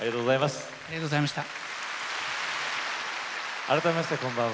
改めましてこんばんは。